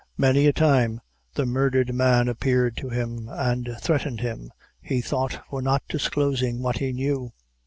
Many a time the murdhered man appeared to him, and threatened him, he thought for not disclosing what he knew.